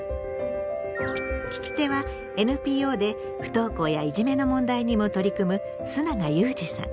聞き手はＮＰＯで不登校やいじめの問題にも取り組む須永祐慈さん。